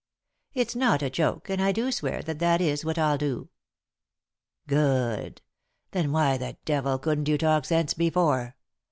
" It's not a joke, and I do swear that that is what I'll do." " Good 1 Then why the devil couldn't you talk sense before